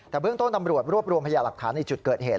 แต่เพิ่งต้นตำรวจรวบรวมพยาบัตรฐานที่อยู่จุดเกิดเหตุ